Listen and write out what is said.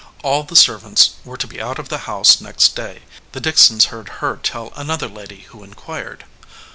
All the servants were to be out of the house next day, the Dicksons heard Her tell another lady who inquired.